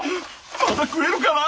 まだ食えるかな？